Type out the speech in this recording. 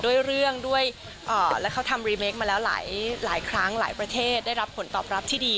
ด้วยเรื่องด้วยและเขาทำรีเมคมาแล้วหลายครั้งหลายประเทศได้รับผลตอบรับที่ดี